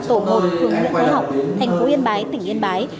tổ một phường nguyễn thái học tp hcm tp hcm